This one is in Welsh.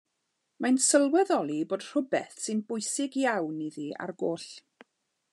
Mae'n sylweddoli bod rhywbeth sy'n bwysig iawn iddi ar goll.